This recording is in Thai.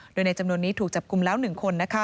โดยในจำนวนนี้ถูกจับกลุ่มแล้ว๑คน